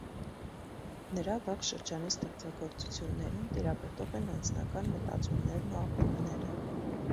Նրա վաղ շրջանի ստեղծագործություններում տիրապետող են անձնական մտածումներն ու ապրումները։